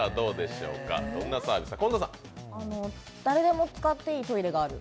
誰でも使っていいトイレがある。